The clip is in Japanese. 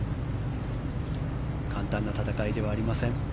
簡単な戦いではありません。